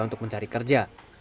untuk mencari kerja